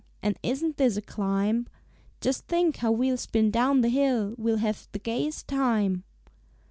And isn't this a climb? Just think how we'll spin down the hill We'll have the gayest time."